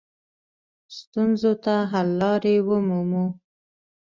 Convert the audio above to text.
ستونزو ته حل لارې ومومو.